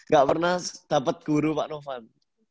gak pernah dapet guru pak novan